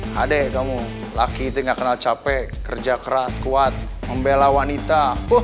hade kamu laki itu gak kenal capek kerja keras kuat membela wanita